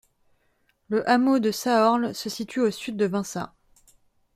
Le hameau de Sahorle se situe au sud de Vinça.